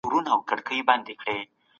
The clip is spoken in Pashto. تعبير پر مخ ګنډلئ